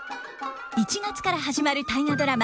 １月から始まる大河ドラマ